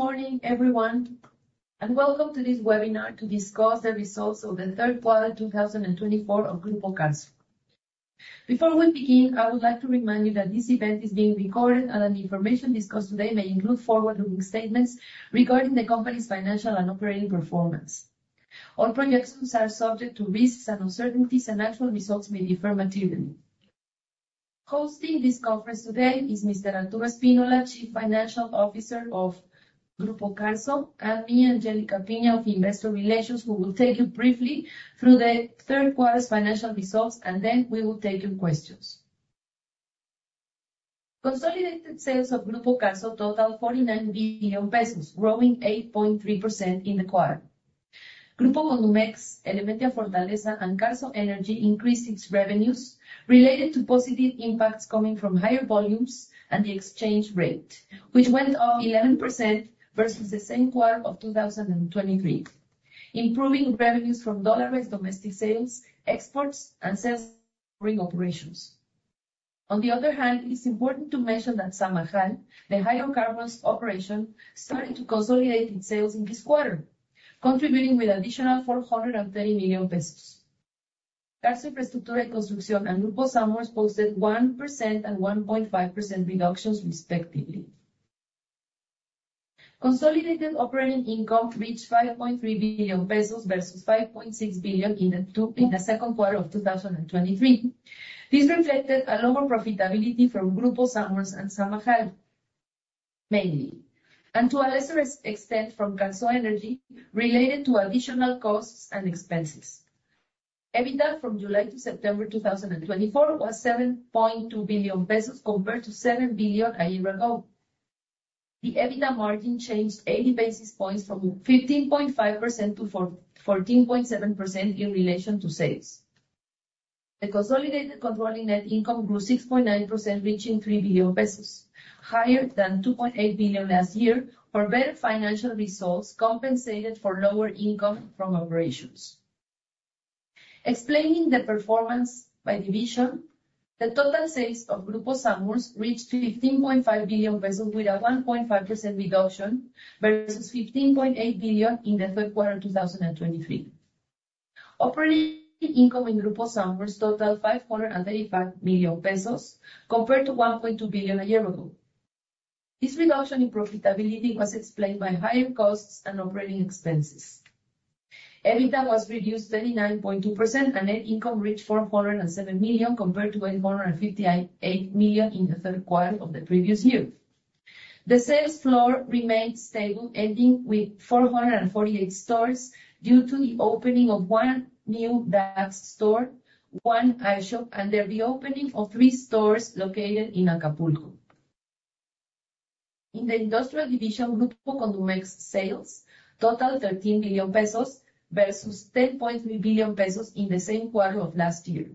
Good morning, everyone, and welcome to this webinar to discuss the results of the Third Quarter 2024 of Grupo Carso. Before we begin, I would like to remind you that this event is being recorded, and the information discussed today may include forward-looking statements regarding the company's financial and operating performance. All projections are subject to risks and uncertainties, and actual results may differ materially. Hosting this conference today is Mr. Arturo Spínola, Chief Financial Officer of Grupo Carso, and me, Angélica Piña, of Investor Relations, who will take you briefly through the Third Quarter's Financial Results, and then we will take your questions. Consolidated sales of Grupo Carso totaled 49 billion pesos, growing 8.3% in the quarter. Grupo Condumex, Elementia Fortaleza and Carso Energy increased its revenues related to positive impacts coming from higher volumes and the exchange rate, which went up 11% versus the same quarter of 2023, improving revenues from dollar-based domestic sales, exports, and sales-ring operations. On the other hand, it is important to mention that Zamajal, the hydrocarbons operation, started to consolidate its sales in this quarter, contributing with an additional 430 million pesos. Carso Infraestructura y Construcción and Grupo Sanborns posted 1% and 1.5% reductions, respectively. Consolidated operating income reached 5.3 billion pesos versus 5.6 billion in the second quarter of 2023. This reflected a lower profitability from Grupo Sanborns and Zamajal, mainly, and to a lesser extent from Carso Energy related to additional costs and expenses. EBITDA from July to September 2024 was 7.2 billion pesos compared to 7 billion a year ago. The EBITDA margin changed 80 basis points from 15.5% to 14.7% in relation to sales. The Consolidated Controlling Net Income grew 6.9%, reaching 3 billion pesos, higher than 2.8 billion last year for better financial results compensated for lower income from operations. Explaining the performance by division, the total sales of Grupo Sanborns reached 15.5 billion pesos with a 1.5% reduction versus 15.8 billion in the third quarter 2023. Operating income in Grupo Sanborns totaled 535 million pesos compared to 1.2 billion a year ago. This reduction in profitability was explained by higher costs and operating expenses. EBITDA was reduced 39.2%, and net income reached 407 million compared to 858 million in the third quarter of the previous year. The sales floor remained stable, ending with 448 stores due to the opening of one new DAX store, one iShop, and the reopening of three stores located in Acapulco. In the Industrial Division, Grupo Condumex sales totaled 13 billion pesos versus 10.3 billion pesos in the same quarter of last year.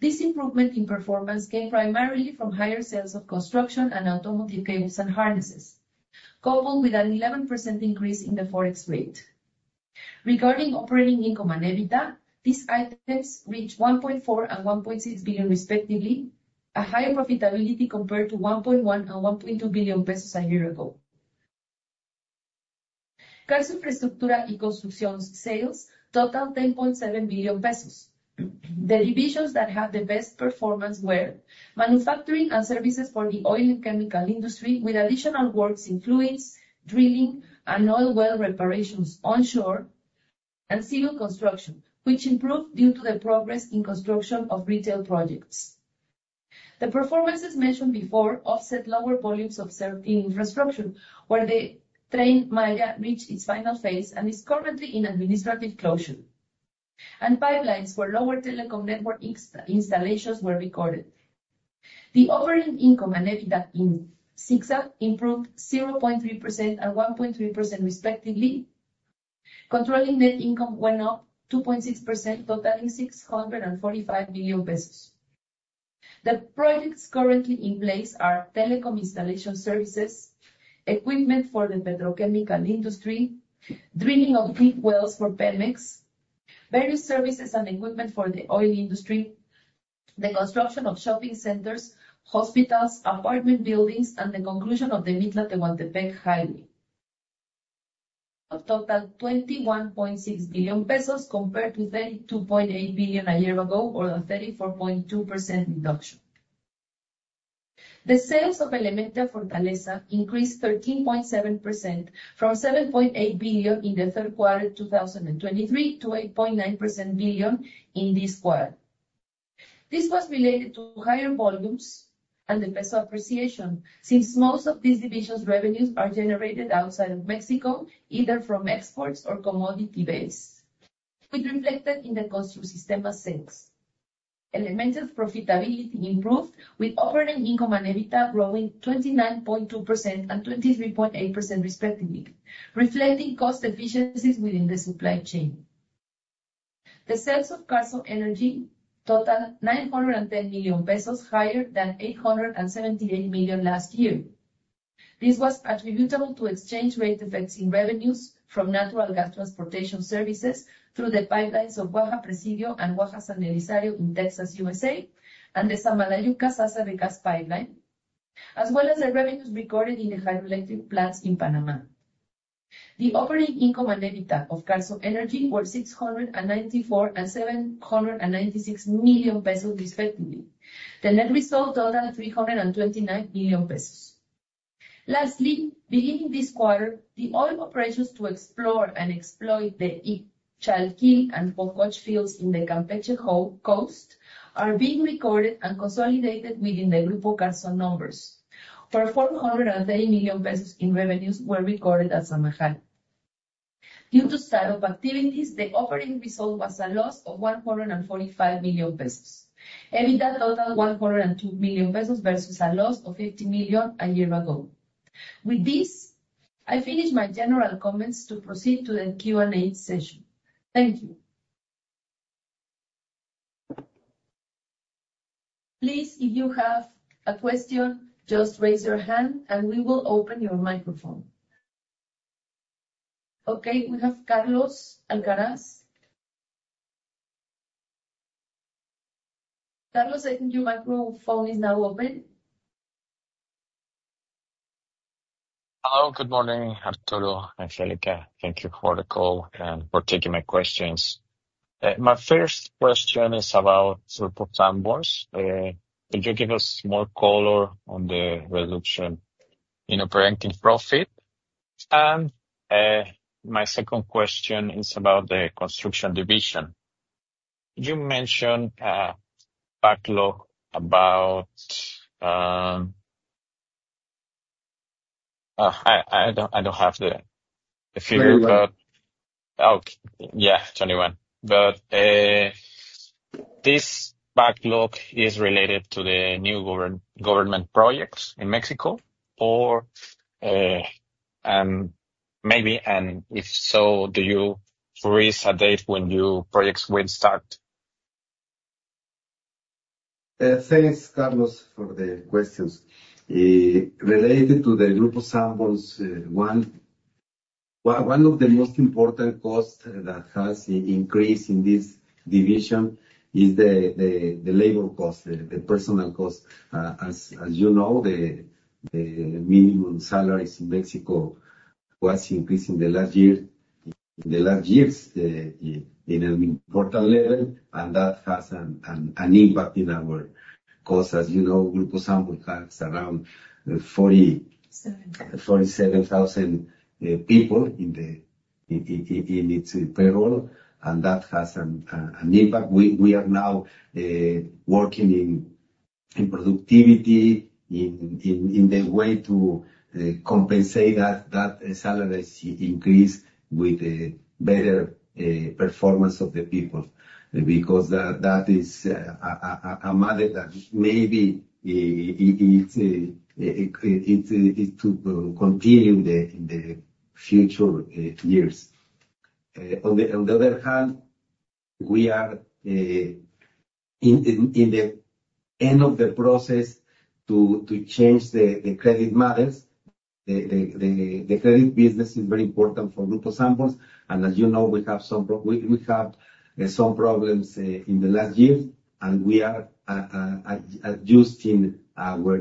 This improvement in performance came primarily from higher sales of construction and automotive cables and harnesses, coupled with an 11% increase in the forex rate. Regarding operating income and EBITDA, these items reached 1.4 billion and 1.6 billion, respectively, a higher profitability compared to 1.1 billion and 1.2 billion pesos a year ago. Carso Infraestructura y Construcción sales totaled 10.7 billion pesos. The divisions that had the best performance were Manufacturing and Services for the Oil and Chemical Industry, with additional works including drilling and oil well reparations onshore and civil construction, which improved due to the progress in construction of retail projects. The performances mentioned before offset lower volumes of service in infrastructure, where the Tren Maya reached its final phase and is currently in administrative closure, and pipelines for lower telecom network installations were recorded. The operating income and EBITDA in CICSA improved 0.3% and 1.3%, respectively. Controlling Net Income went up 2.6%, totaling 645 million pesos. The projects currently in place are telecom installation services, equipment for the petrochemical industry, drilling of deep wells for Pemex, various services and equipment for the oil industry, the construction of shopping centers, hospitals, apartment building, and the conclusion of the Mitla-Tehuantepec Highway. A total of 21.6 billion pesos compared to 32.8 billion a year ago, or a 34.2% reduction. The sales of Elementia Fortaleza increased 13.7% from 7.8 billion in the third quarter 2023 to 8.9 billion in this quarter. This was related to higher volumes and the peso appreciation since most of these divisions' revenues are generated outside of Mexico, either from exports or commodity-based, which reflected in the Construsistemas sales. Elementia's profitability improved with operating income and EBITDA growing 29.2% and 23.8%, respectively, reflecting cost efficiencies within the supply chain. The sales of Carso Energy totaled 910 million pesos, higher than 878 million last year. This was attributable to exchange rate effects in revenues from natural gas transportation services through the pipelines of Waha-Presidio and Waha-San Elizario in Texas, USA, and the Samalayuca-Sásabe Gas Pipeline, as well as the revenues recorded in the hydroelectric plants in Panama. The operating income and EBITDA of Carso Energy were 694 million and 796 million pesos, respectively. The net result totaled 329 million pesos. Lastly, beginning this quarter, the oil operations to explore and exploit the Ichalkil and Pokoch fields in the Campeche Coast are being recorded and consolidated within the Grupo Carso numbers, where 430 million pesos in revenues were recorded at Zamajal. Due to startup activities, the operating result was a loss of 145 million pesos. EBITDA totaled 102 million pesos versus a loss of 50 million a year ago. With this, I finish my general comments to proceed to the Q&A session. Thank you. Please, if you have a question, just raise your hand and we will open your microphone. Okay, we have Carlos Alcaraz. Carlos, I think your microphone is now open. Hello, good morning, Arturo and Angélica. Thank you for the call and for taking my questions. My first question is about Grupo Carso. Could you give us more color on the reduction in operating profit? And my second question is about the Construction Division. You mentioned backlog about—I don't have the figure, but—oh, yeah, 21. But this backlog is related to the new government projects in Mexico? Or maybe, and if so, do you have a date when your projects will start? Thanks, Carlos, for the questions. Related to the Grupo Sanborns one, one of the most important costs that has increased in this division is the labor cost, the personnel cost. As you know, the minimum salaries in Mexico were increasing in the last year in the last years in an important level, and that has an impact in our costs. As you know, Grupo Sanborns has around 47,000 people in its payroll, and that has an impact. We are now working in productivity, in the way to compensate that salary increase with the better performance of the people, because that is a matter that maybe it's to continue in the future years. On the other hand, we are in the end of the process to change the credit matters. The credit business is very important for Grupo Carso, and as you know, we have some problems in the last year, and we are adjusting our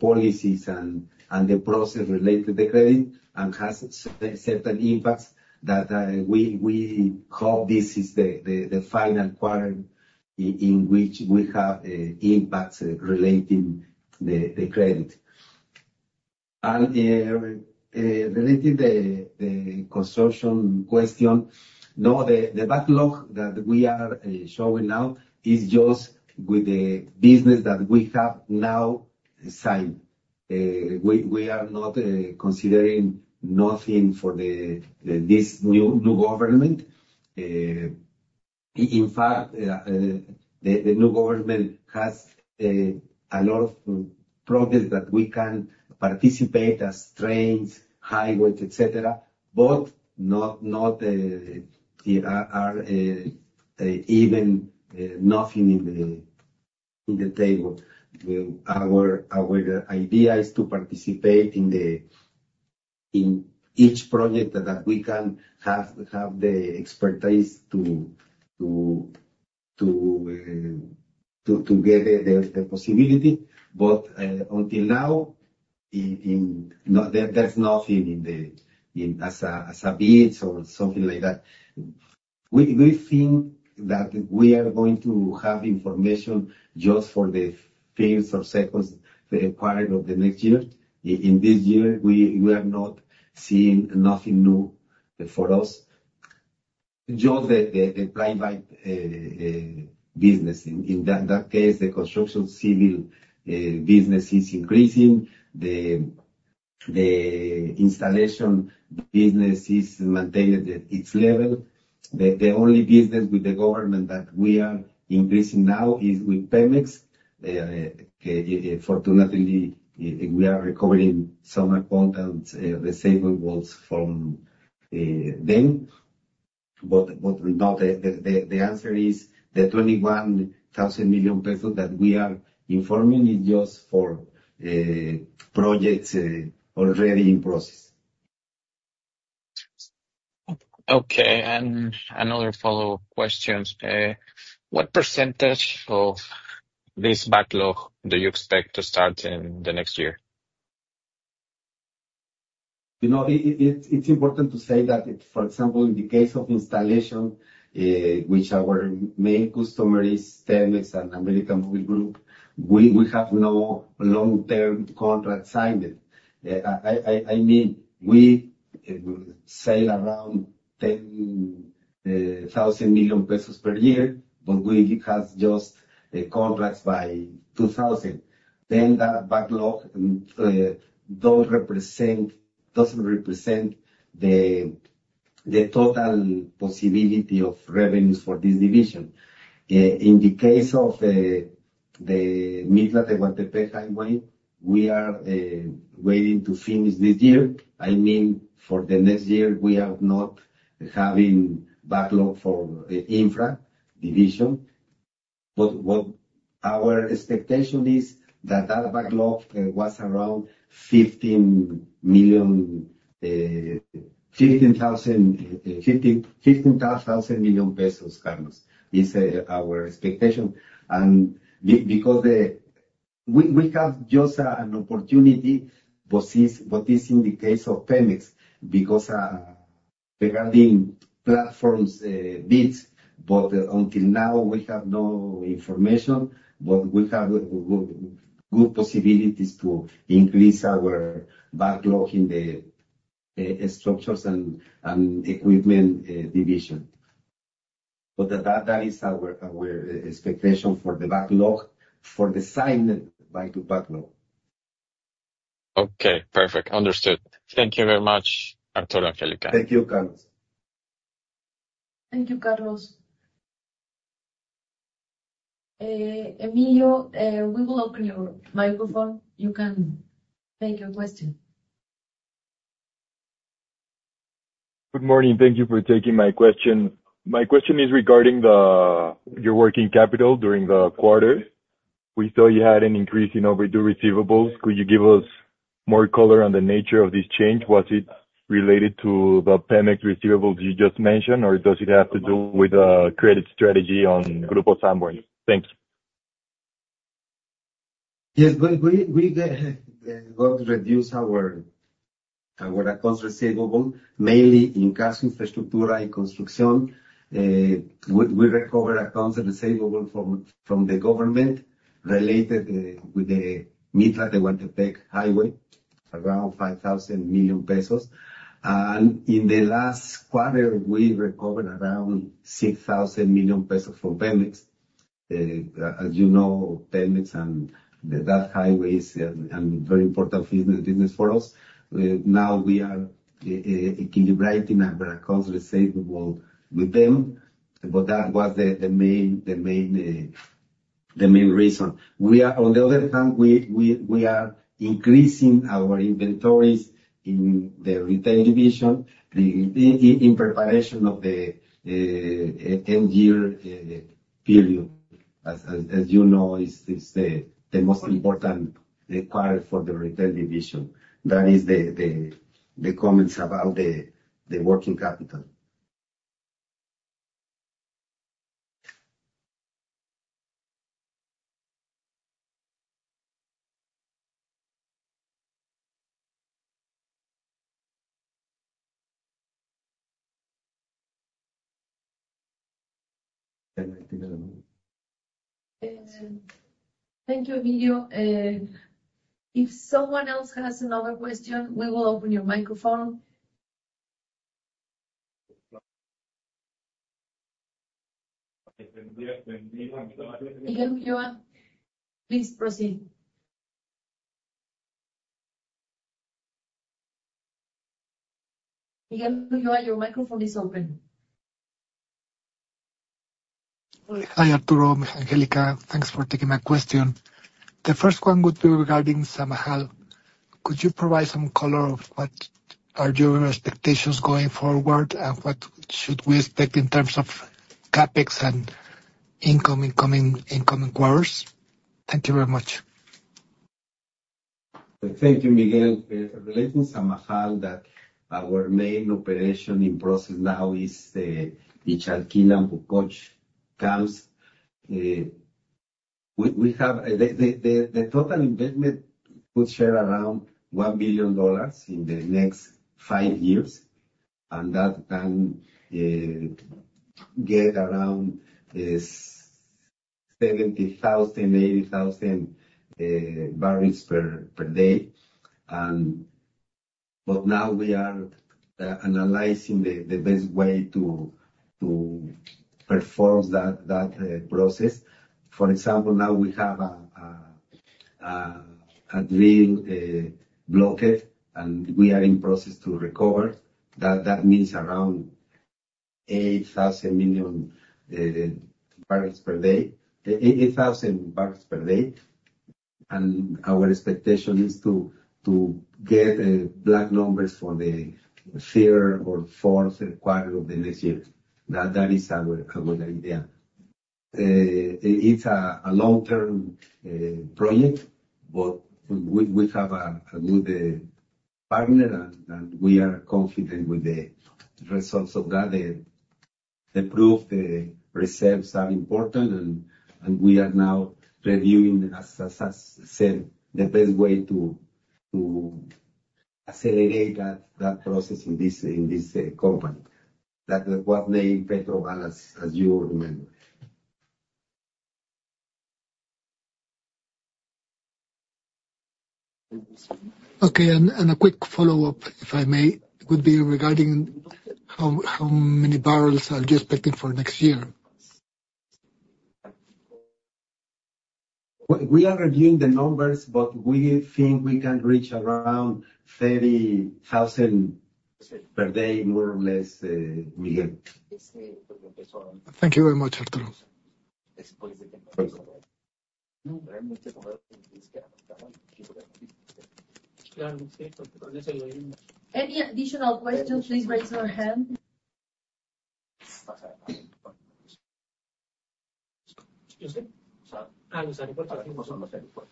policies and the process related to the credit, and has certain impacts that we hope this is the final quarter in which we have impacts relating to the credit. And relating to the construction question, no, the backlog that we are showing now is just with the business that we have now signed. We are not considering nothing for this new government. In fact, the new government has a lot of projects that we can participate as trains, highways, etc., but not even nothing in the table. Our idea is to participate in each project that we can have the expertise to get the possibility, but until now, there's nothing in the as a bid or something like that. We think that we are going to have information just for the first or second quarter of the next year. In this year, we are not seeing nothing new for us. Just the private business. In that case, the construction civil business is increasing. The installation business is maintaining its level. The only business with the government that we are increasing now is with Pemex. Fortunately, we are recovering some accounts, the stable votes from them. But the answer is the 21,000 million pesos that we are informing is just for projects already in process. Okay, and another follow-up question. What percentage of this backlog do you expect to start in the next year? You know, it's important to say that, for example, in the case of installation, which our main customer is Pemex and América Móvil, we have no long-term contract signed. I mean, we sell around 10,000 million pesos per year, but we have just contracts by 2,000 million. Then that backlog doesn't represent the total possibility of revenues for this division. In the case of the Mitla-Tehuantepec Highway, we are waiting to finish this year. I mean, for the next year, we are not having backlog for the infra division. But our expectation is that that backlog was around 15,000 million pesos, Carlos. It's our expectation, and because we have just an opportunity, but it's in the case of Pemex, because regarding platforms bids, but until now, we have no information, but we have good possibilities to increase our backlog in the structures and equipment division. But that is our expectation for the backlog, for the signed backlog. Okay, perfect. Understood. Thank you very much, Arturo, Angélica. Thank you, Carlos. Thank you, Carlos. Emilio, we will open your microphone. You can make your question. Good morning. Thank you for taking my question. My question is regarding your working capital during the quarter. We saw you had an increase in overdue receivables. Could you give us more color on the nature of this change? Was it related to the Pemex receivables you just mentioned, or does it have to do with the credit strategy on Grupo Sanborns? Thank you. Yes, we got to reduce our accounts receivable, mainly in Carso Infraestructura y Construcción. We recovered accounts receivable from the government related with the Mitla-Tehuantepec Highway, around 5,000 million pesos. And in the last quarter, we recovered around 6,000 million pesos from Pemex. As you know, Pemex and that highway is a very important business for us. Now we are equilibrating our accounts receivable with them, but that was the main reason. On the other hand, we are increasing our inventories in the retail division in preparation of the end-year period. As you know, it's the most important quarter for the retail division. That is the comments about the working capital. Thank you, Emilio. If someone else has another question, we will open your microphone. Miguel Ulloa, please proceed. Miguel Ulloa, your microphone is open. Hi, Arturo, Angélica. Thanks for taking my question. The first one would be regarding Zamajal. Could you provide some color on what are your expectations going forward and what should we expect in terms of CapEx and in coming quarters? Thank you very much. Thank you, Miguel. Relating Zamajal, that our main operation in process now is Ichalkil and Pokoch camps. The total investment could share around $1 billion in the next five years, and that can get around 70,000-80,000 barrels per day, but now we are analyzing the best way to perform that process. For example, now we have a drill blockage, and we are in process to recover. That means around 8,000 million barrels per day, 8,000 barrels per day, and our expectation is to get black numbers for the third or fourth quarter of the next year. That is our idea. It's a long-term project, but we have a good partner, and we are confident with the results of that. The proof, the reserves are important, and we are now reviewing, as I said, the best way to accelerate that process in this company. That was named PetroBal, as you remember. Okay, and a quick follow-up, if I may, would be regarding how many barrels are you expecting for next year? We are reviewing the numbers, but we think we can reach around 30,000 per day, more or less, Miguel. Thank you very much, Arturo. Any additional questions? Please raise your hand.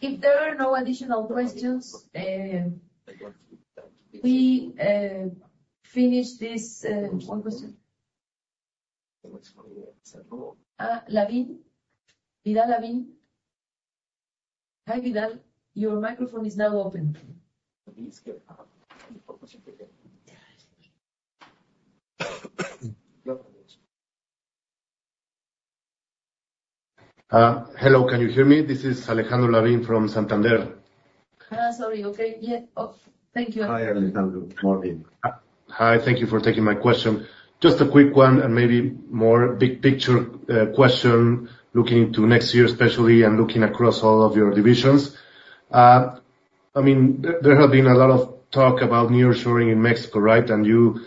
If there are no additional questions, we finish this one question. Alejandro Lavin. Hi, Alejandro. Your microphone is now open. Hello, can you hear me? This is Alejandro Lavin from Santander. Sorry, okay. Thank you. Hi, Alejandro. Morning. Hi, thank you for taking my question. Just a quick one and maybe more big-picture question looking into next year especially and looking across all of your divisions. I mean, there has been a lot of talk about nearshoring in Mexico, right? And you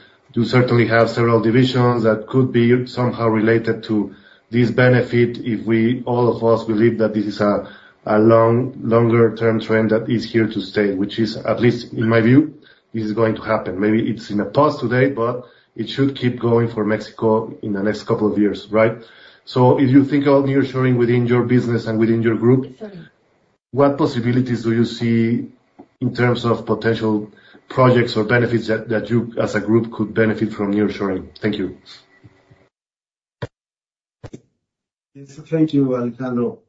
certainly have several divisions that could be somehow related to this benefit if all of us believe that this is a longer-term trend that is here to stay, which is, at least in my view, is going to happen. Maybe it's in a pause today, but it should keep going for Mexico in the next couple of years, right? So if you think about nearshoring within your business and within your group, what possibilities do you see in terms of potential projects or benefits that you, as a group, could benefit from nearshoring? Thank you. Thank you, Alejandro.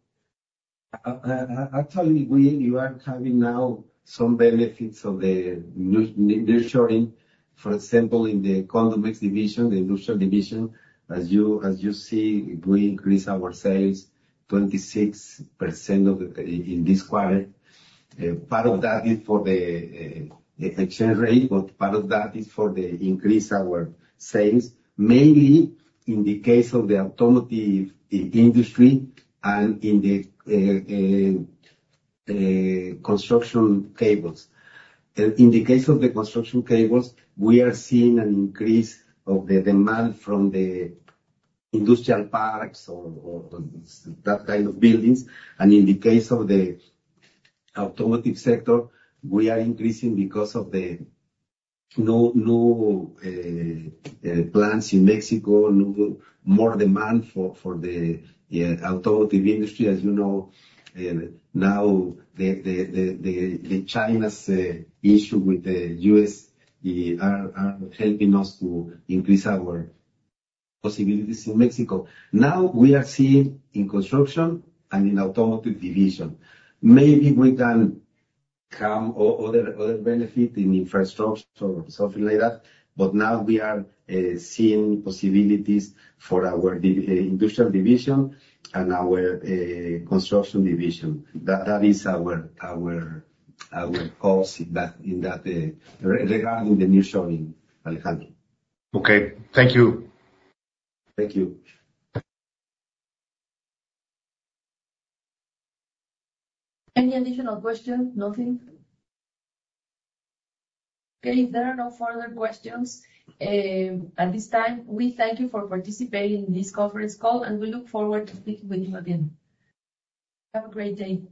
Actually, we are having now some benefits of the nearshoring. For example, in the Condumex division, the industrial division, as you see, we increased our sales 26% in this quarter. Part of that is for the exchange rate, but part of that is for the increase of our sales, mainly in the case of the automotive industry and in the construction cables. In the case of the construction cables, we are seeing an increase of the demand from the industrial parks or that kind of buildings. And in the case of the automotive sector, we are increasing because of the new plants in Mexico, more demand for the automotive industry. As you know, now China's issue with the U.S. are helping us to increase our possibilities in Mexico. Now we are seeing in construction and in the automotive division. Maybe we can have other benefits in infrastructure or something like that, but now we are seeing possibilities for our industrial division and our construction division. That is our goal regarding the nearshoring, Alejandro. Okay, thank you. Thank you. Any additional questions? Nothing? Okay, there are no further questions at this time. We thank you for participating in this conference call, and we look forward to speaking with you again. Have a great day.